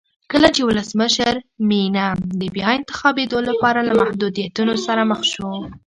کله چې ولسمشر مینم د بیا انتخابېدو لپاره له محدودیتونو سره مخ شو.